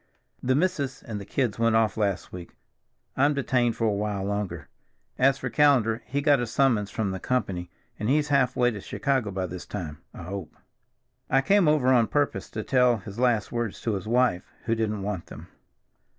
"The missus and the kids went off last week; I'm detained for a while longer. As for Callender; he got a summons from the company, and he's half way to Chicago by this time, I hope. I came over on purpose to tell his last words to his wife, who didn't want them."